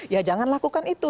ya jangan lakukan itu